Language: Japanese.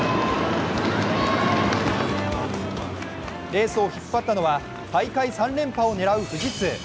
レースを引っ張ったのは大会３連覇を狙う富士通。